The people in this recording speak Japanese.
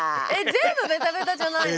全部ベタベタじゃないの？